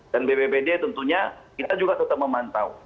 dan bbbd tentunya kita juga tetap memantau